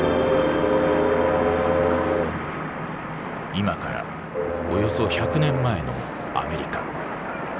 今からおよそ１００年前のアメリカ。